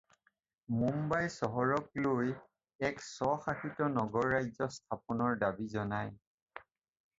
মুম্বাই চহৰক লৈ এক স্বশাসিত নগৰৰাজ্য স্থাপনৰ দাবী জনায়।